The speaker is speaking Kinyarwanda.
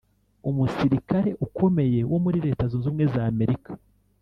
umusirikare ukomeye wo muri Leta Zunze Ubumwe z’Amerika